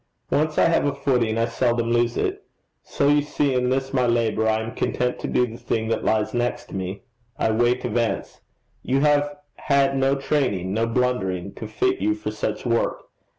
Once I have a footing, I seldom lose it. So you see, in this my labour I am content to do the thing that lies next me. I wait events. You have had no training, no blundering to fit you for such work.